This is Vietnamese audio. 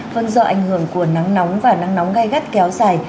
vân dọa ảnh hưởng của nắng nóng và nắng nóng gai gắt kéo dài